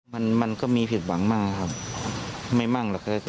มันมันก็มีผิดหวังบ้างครับไม่มั่งหรอกครับ